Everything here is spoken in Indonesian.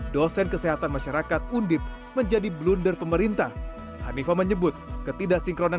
dosen kesehatan masyarakat undip menjadi blunder pemerintah hanifah menyebut ketidaksinkronan